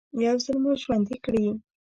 يو ځل مو ژوندي کړي.